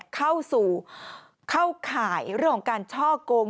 เข้าสู่เข้าข่ายเรื่องของการช่อกง